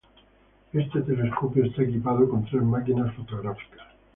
Este telescopio está equipado con tres máquinas fotográficas.